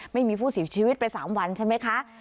ไม่มีผู้เสียชีวิตไป๓วันใช่ไหมคะ